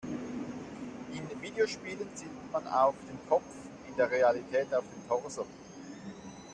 In Videospielen zielt man auf den Kopf, in der Realität auf den Torso.